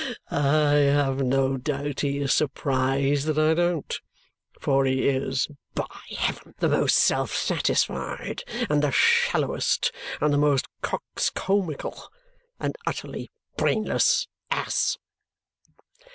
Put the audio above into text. Ha ha ha ha! I have no doubt he is surprised that I don't. For he is, by heaven, the most self satisfied, and the shallowest, and the most coxcombical and utterly brainless ass!"